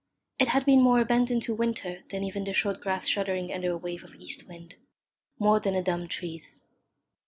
It had been more abandoned to winter than even the short grass shuddering under a wave of east wind, more than the dumb trees.